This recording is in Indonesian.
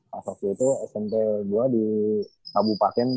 pas waktu itu smp dua di kabupaten